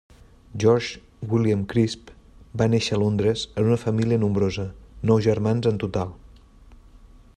George William Crisp va néixer a Londres en una família nombrosa, nou germans en total.